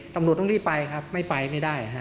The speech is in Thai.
ตำรวจต้องรีบไปไม่ไปไม่ได้